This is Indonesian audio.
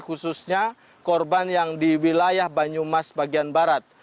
khususnya korban yang di wilayah banyumas bagian barat